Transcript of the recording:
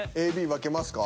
ＡＢ分けますか？